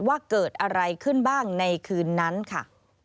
ว่าเกิดอะไรขึ้นบ้างในคืนนั้นค่ะ